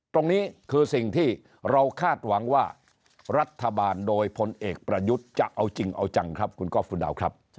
ตรงนี้คือสิ่งที่เราคาดหวังว่ารัฐบาลโดยพลเอกประยุทธ์จะเอาจริงเอาจังครับคุณก๊อฟฟุดาวครับ